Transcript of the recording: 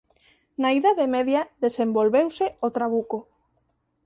Na idade media desenvolveuse o trabuco.